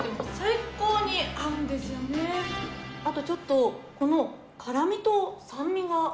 あとちょっとこの。